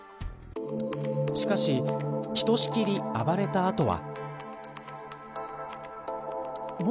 しかし、ひとしきり暴れた後は。